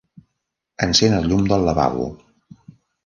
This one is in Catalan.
Encén el llum del lavabo.